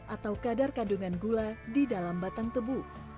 atau kadar kandungan gula di dalam batang tebu